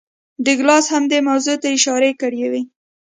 ډاګلاس دې موضوع ته هم اشارې کړې وې